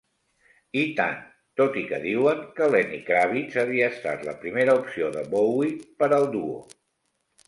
I tant!", tot i que diuen que Lenny Kravitz havia estat la primera opció de Bowie per al duo.